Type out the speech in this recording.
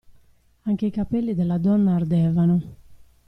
Anche i capelli della donna ardevano.